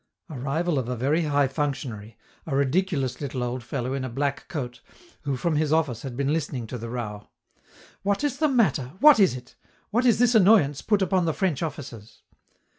Arrival of a very high functionary a ridiculous little old fellow in a black coat, who from his office had been listening to the row: "What is the matter? What is it? What is this annoyance put upon the French officers?"